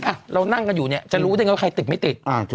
คนที่คุณนั่งกันอยู่จะรู้ได้ไงว่าใครติดไม่ติด